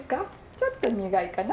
ちょっと苦いかな？